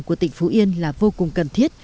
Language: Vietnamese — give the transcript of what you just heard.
của tỉnh phú yên là vô cùng cần thiết